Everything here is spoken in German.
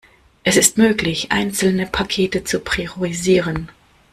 Es ist möglich, einzelne Pakete zu priorisieren.